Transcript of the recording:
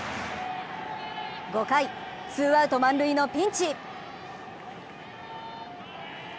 ５回、ツーアウト満塁のピンチ。